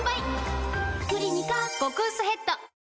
「クリニカ」極薄ヘッド